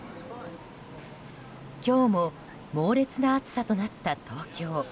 今日も猛烈な暑さとなった東京。